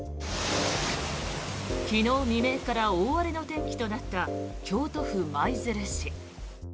昨日未明から大荒れの天気となった京都府舞鶴市。